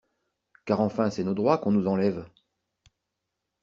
Car enfin c'est nos droits qu'on nous enlève!